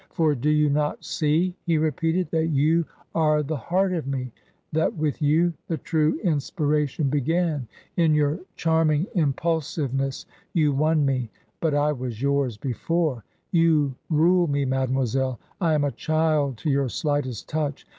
" For do you not see/* he repeated, " that you are the heart of me — that with you the true inspiration began ? In your charming impulsiveness you won me — but I was yours before. You rule me, mademoiselle ; I am a child to your slightest touch.